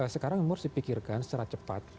sekarang memang harus dipikirkan secara cepat